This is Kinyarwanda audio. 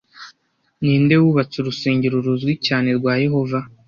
Ninde wubatse urusengero ruzwi cyane rwa yehova